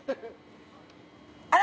あら！